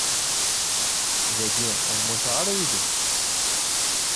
Dagi ur mwataɣ ara yid-k.